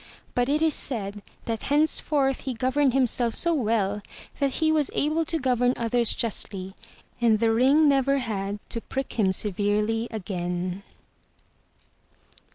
But it is said that henceforth he governed himself so well, that he was able to govern others justly, and the ring never had to prick him severely again.